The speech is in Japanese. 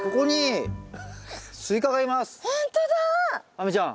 亜美ちゃん。